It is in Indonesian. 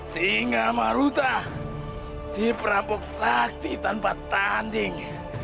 singa maluta si perabot sakti tanpa tanding